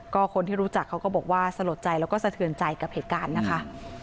ก็คนที่รู้จักเขาก็บอกว่าสลดใจแล้วก็สะเทือนใจกับเหตุการณ์นะคะ